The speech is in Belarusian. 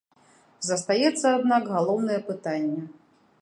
Застаецца, аднак, галоўнае пытанне.